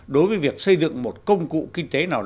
đối với việc xây dựng một công cụ kinh tế nào